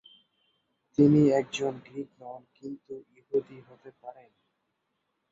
তিনি একজন গ্রীক নন কিন্তু ইহুদি হতে পারেন।